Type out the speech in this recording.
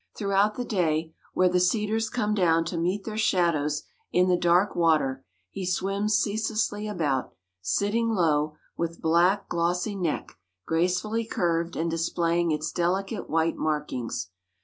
Throughout the day, where the cedars come down to meet their shadows in the dark water, he swims ceaselessly about, sitting low, with black, glossy neck gracefully curved and displaying its delicate white markings.